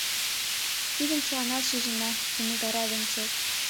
Тидым чыланат шижына, — умылтара Венцов.